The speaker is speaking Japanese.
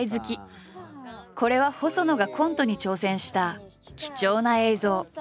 これは細野がコントに挑戦した貴重な映像。